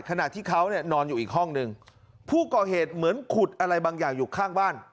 ขณะที่เขาเนี่ยนอนอยู่อีกห้องหนึ่งผู้ก่อเหตุเหมือนขุดอะไรบางอย่างอยู่ข้างบ้าน